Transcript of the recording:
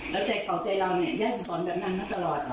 แล้วใจเขาใจเราเนี่ยย่าจะสอนแบบนั้นมาตลอด